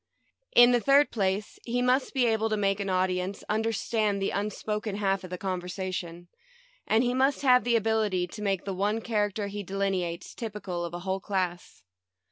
In the third place, he must be able to vii PREFACE make an audience understand the unspoken half of the conversation, and he must have the ability to make the one character he de lineates typical of a whole class.